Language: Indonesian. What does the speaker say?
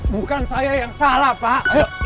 bukan saya yang salah pak